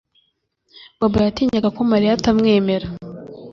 Bobo yatinyaga ko Mariya atamwemera